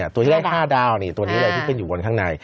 ตัวที่ได้๕ดาวนี่ตัวนี้เลยที่ขึ้นอยู่บนข้างใน